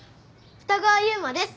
二川悠馬です。